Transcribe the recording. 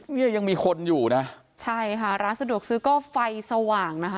เนี่ยยังมีคนอยู่นะใช่ค่ะร้านสะดวกซื้อก็ไฟสว่างนะคะ